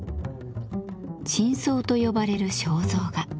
「頂相」と呼ばれる肖像画。